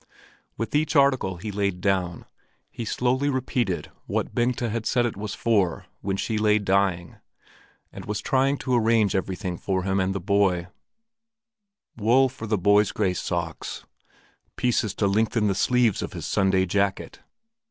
With each article he laid down, he slowly repeated what Bengta had said it was for when she lay dying and was trying to arrange everything for him and the boy: "Wool for the boy's gray socks. Pieces to lengthen the sleeves of his Sunday jacket.